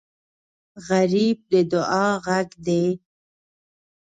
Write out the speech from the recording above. غریب د دعا غږ دی